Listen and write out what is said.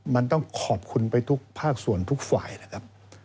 มันต้องขอบคุณไปทุกภาคส่วนทุกฝ่ายนะครับ